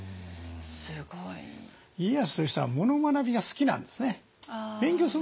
家康という人は物学びが好きなんですね。